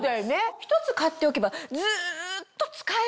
１つ買っておけばずっと使えるんですよ。